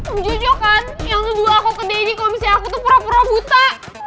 om jojo kan yang nuduh aku ke daddy kalo misalnya aku tuh pura pura buta